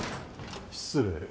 失礼。